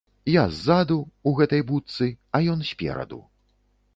Я ззаду, ў гэтай будцы, а ён спераду.